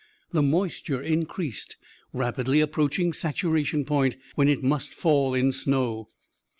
The moisture increased, rapidly approaching saturation point, when it must fall in snow.